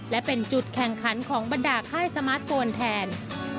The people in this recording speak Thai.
และเป็นจุดแข่งขันของบรรดาค่ายสมาร์ทโฟนแทน